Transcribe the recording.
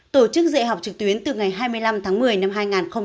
tổ chức dạy học trực tuyến từ ngày hai mươi năm tháng một mươi năm hai nghìn hai mươi